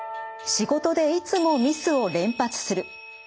仕事でいつもミスを連発する。